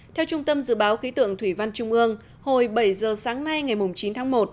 theo trung tâm dự báo khí tượng thủy văn trung ương hồi bảy giờ sáng nay ngày chín tháng một